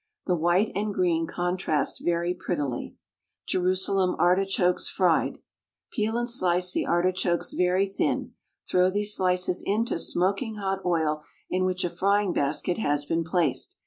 The white and green contrast very prettily. JERUSALEM ARTICHOKES, FRIED. Peel and slice the artichokes very thin; throw these slices into smoking hot oil in which a frying basket has been placed.